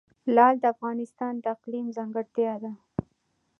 لعل د افغانستان د اقلیم ځانګړتیا ده.